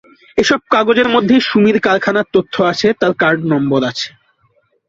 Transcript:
এসব কাগজের মধ্যেই সুমির কারখানার তথ্য আছে, তাঁর কার্ড নম্বর আছে।